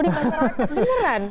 di pasar rakyat